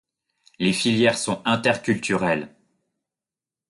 Les filières sont interculturelles.